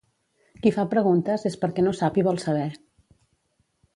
Qui fa preguntes és perquè no sap i vol saber